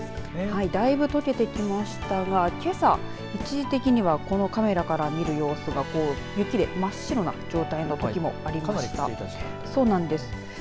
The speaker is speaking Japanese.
だいぶ、とけてきましたがけさ一時的にはこのカメラから見る様子がこう雪で真っ白な状態のときもありました。